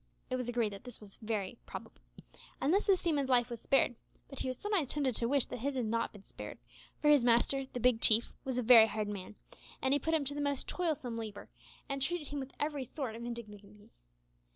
It was agreed that this was highly probable, and thus the seaman's life was spared; but he was sometimes tempted to wish that it had not been spared, for his master, the Big Chief, was a very hard man; he put him to the most toilsome labour, and treated him with every sort of indignity.